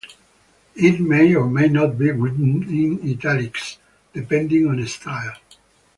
It may or may not be written in italics, depending on style.